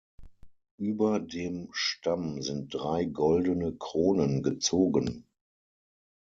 Über dem Stamm sind drei goldene Kronen gezogen.